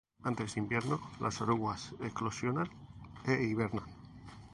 Antes del invierno, las orugas eclosionan e hibernan.